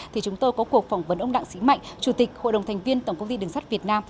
thì chúng tôi có cuộc phỏng vấn ông đặng sĩ mạnh chủ tịch hội đồng thành viên tổng công ty đường sắt việt nam